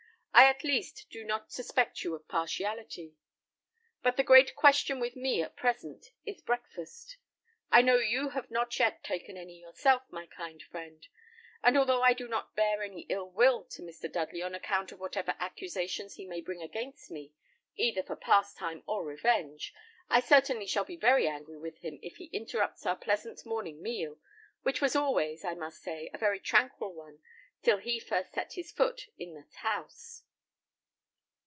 I at least do not suspect you of partiality; but the great question with me at present is breakfast. I know you have not yet taken any yourself, my kind friend; and although I do not bear any ill will to Mr. Dudley on account of whatever accusations he may bring against me either for pastime or revenge, I certainly shall be very angry with him if he interrupts our pleasant morning meal, which was always, I must say, a very tranquil one till he first set his foot in this house."